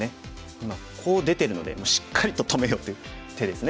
今こう出てるのでしっかりと止めようという手ですね。